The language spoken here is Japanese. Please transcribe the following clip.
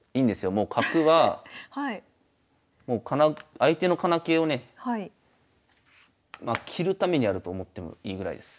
もう角は相手の金気をね切るためにあると思ってもいいぐらいです。